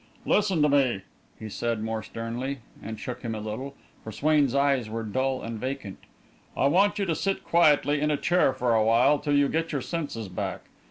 "Listen to me," he said, more sternly, and shook him a little, for Swain's eyes were dull and vacant. "I want you to sit quietly in a chair for a while, till you get your senses back.